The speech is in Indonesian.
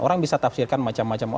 orang bisa tafsirkan macam macam